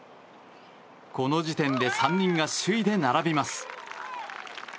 この時点で３人が首位で並びます。